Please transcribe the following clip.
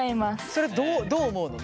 それどう思うの？